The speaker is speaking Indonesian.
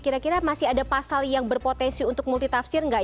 kira kira masih ada pasal yang berpotensi untuk multitafsir nggak